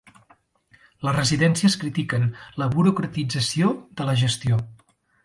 Les residències critiquen la burocratització de la gestió.